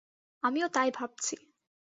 আমিও তাই ভাবছি।